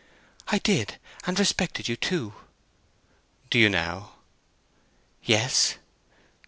"I did; and respected you, too." "Do you now?" "Yes."